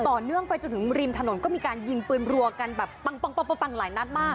ต่อเนื่องไปจนถึงริมถนนก็มีการยิงปืนรวกันแบบปางปางปางปางปางปางหลายนัดมาก